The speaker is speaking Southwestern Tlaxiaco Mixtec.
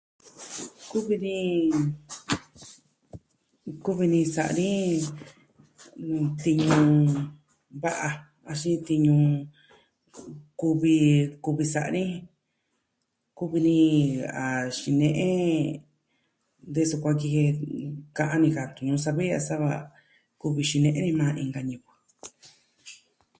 Kuvi ni, kuvi ni sa'a ni nuu tiñu va'a, axin tiñu kuvi, kuvi sa'a ni. kuvi ni a xine'e de su kuaa ki jen ka'an ni ka tu'un ñuu savi ya'a sa va kuvi xine'en ni majan inka ñivɨ.